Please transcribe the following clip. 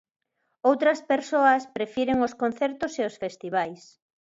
Outras persoas prefiren os concertos e os festivais.